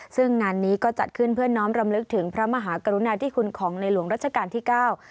ซึ่งงานนี้ก็จัดขึ้นเพื่อน้อมรำลึกถึงพระมหากรุณาธิคุณของในหลวงรัชกาลที่เก้า